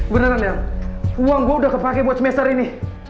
beneran ya uang gue udah kepake buat semester ini